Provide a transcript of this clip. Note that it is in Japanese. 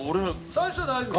最初は大丈夫なの。